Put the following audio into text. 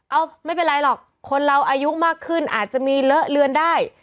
เอาไม่เป็นไรหรอกคนเราอายุมากขึ้นอาจจะมีเลอะเลือนได้